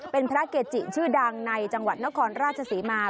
เป็นพระเกจิชื่อดังในจังหวัดนครราชศรีมา